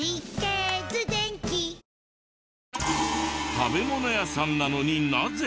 食べ物屋さんなのになぜ？